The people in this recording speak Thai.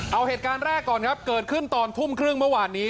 เอาเหตุการณ์แรกก่อนครับเกิดขึ้นตอนทุ่มครึ่งเมื่อวานนี้